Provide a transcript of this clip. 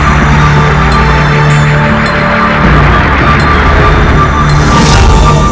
jangan dirisikan ada pbedahan s relate rings